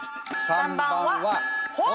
３番は。